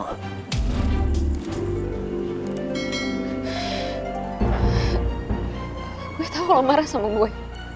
gue tau lo marah sama gue